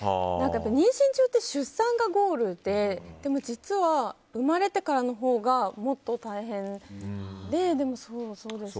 妊娠中って出産がゴールででも実は生まれてからのほうがもっと大変で。